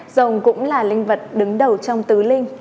rồng cũng là linh vật đứng đầu trong tứ linh